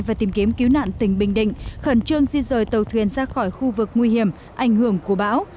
và tìm kiếm cứu nạn tỉnh bình định khẩn trương di rời tàu thuyền ra khỏi khu vực nguy hiểm ảnh hưởng của bão